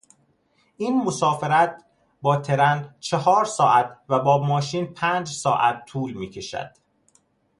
این مسافرت با ترنچهار ساعت و با ماشین پنج ساعت طول میکشد.